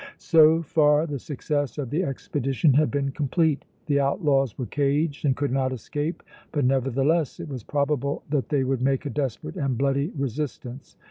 So far the success of the expedition had been complete. The outlaws were caged and could not escape, but, nevertheless, it was probable that they would make a desperate and bloody resistance.